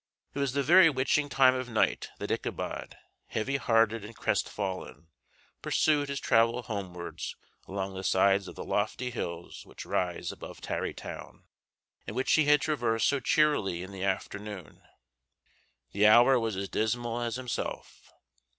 It was the very witching time of night that Ichabod, heavy hearted and crestfallen, pursued his travel homewards along the sides of the lofty hills which rise above Tarry Town, and which he had traversed so cheerily in the afternoon. The hour was as dismal as himself.